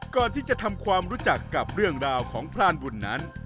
ก่อนที่จะทำความรู้จักกับเรื่องราวของพรานบุญนั้น